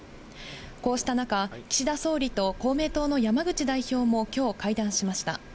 こうした中、岸田総理と公明党の山口代表も、きょう会談しました。